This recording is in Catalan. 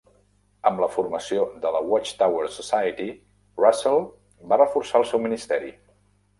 Amb la formació de la Watch Tower Society, Russell va reforçar el seu ministeri.